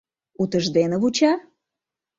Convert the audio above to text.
— Утыждене вуча?